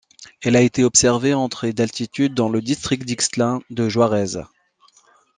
Elle a été observée entre et d'altitude dans le district d'Ixtlan de Juarez.